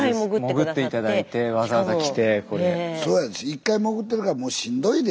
一回潜ってるからもうしんどいで。